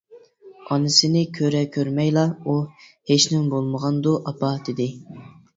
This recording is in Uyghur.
ئانىسىنى كۆرە-كۆرمەيلا ئۇ: ھېچنېمە بولمىغاندۇ، ئاپا؟ دېدى.